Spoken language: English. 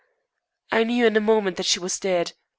I knew in a moment that she was dead.